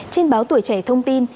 trên báo tuổi trẻ thông tin